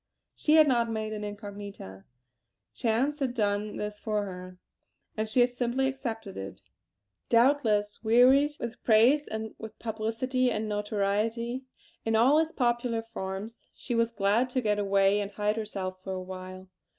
She had not made an incognita; chance had done this for her, and she had simply accepted it. Doubtless, wearied with praise and with publicity and notoriety in all its popular forms, she was glad to get away and hide herself for a while.